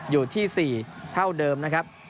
อยู่ที่๔เท่าเดิมนะครับ